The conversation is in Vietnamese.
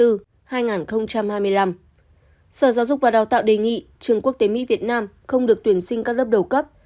sở giáo dục và đào tạo đề nghị trường quốc tế mỹ việt nam không được tuyển sinh các lớp đầu cấp